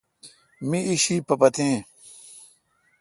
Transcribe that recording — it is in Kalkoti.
می ایݭی پپتیں۔